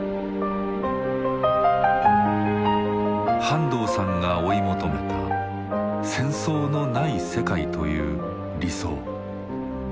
半藤さんが追い求めた「戦争のない世界」という理想。